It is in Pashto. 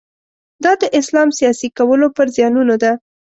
دا د اسلام سیاسي کولو پر زیانونو ده.